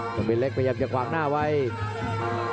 ชมเพชรเล็กประยับจะขวางหน้าไวย